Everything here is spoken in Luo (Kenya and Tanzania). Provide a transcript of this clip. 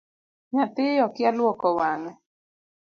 Nyathi okia luoko wange.